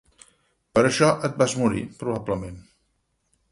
Per això et vas morir, probablement.